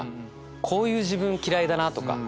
こういう自分嫌いだとか。